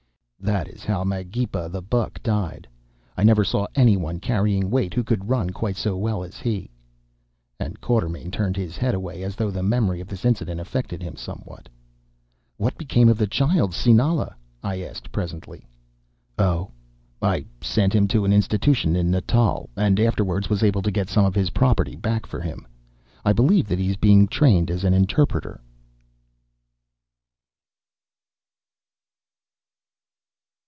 "That is how Magepa the Buck died. I never saw anyone carrying weight who could run quite so well as he," and Quatermain turned his head away as though the memory of this incident affected him somewhat. "What became of the child Sinala?" I asked presently. "Oh! I sent him to an institution in Natal, and afterwards was able to get some of his property back for him. I believe that he is being trained as an interpreter."